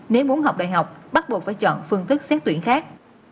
nếu muốn học đại học bắt buộc phải chọn phương thức xét tuyển khác